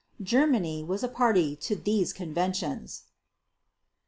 Germany was a party to these conventions.